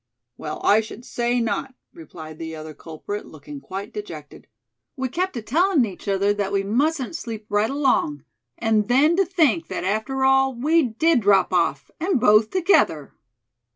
"Well, I should say not," replied the other culprit, looking quite dejected. "We kept atellin' each other that we mustn't sleep right along; and then to think that after all we did drop off, and both together."